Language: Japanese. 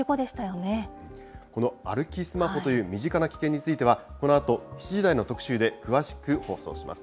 この歩きスマホという身近な危険については、このあと７時台の特集で詳しく放送します。